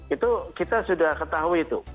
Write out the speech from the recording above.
itu kita sudah ketahui itu